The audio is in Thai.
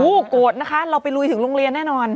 โกรธนะคะเราไปลุยถึงโรงเรียนแน่นอน